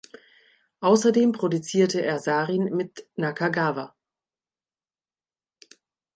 Außerdem produzierte er Sarin mit Nakagawa.